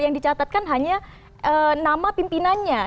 yang dicatatkan hanya nama pimpinannya